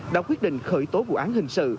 đã quyết định khởi tố vụ án hình sự